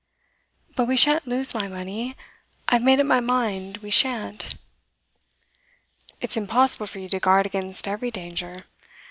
'But we shan't lose my money. I've made up my mind we shan't.' 'It's impossible for you to guard against every danger.